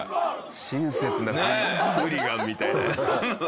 親切なフーリガンみたいな。